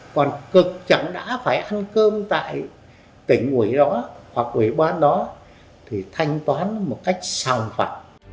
còn cực chẳng đã phải ăn cơm tại tỉnh ủy đó hoặc ủy ban đó thì thanh toán một cách sòng phẳng